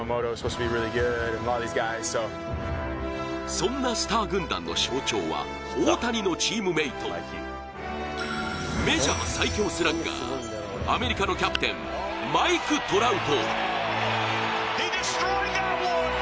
そんなスター軍団の象徴は、大谷のチームメートメジャー最強スラッガー、アメリカのキャプテンマイク・トラウト。